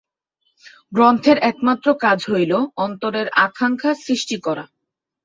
গ্রন্থের একমাত্র কাজ হইল অন্তরের আকাঙ্ক্ষা সৃষ্টি করা।